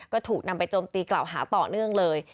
ก็ถูกนำไปโจมตีกล่าวหาต่อเนื่องเลย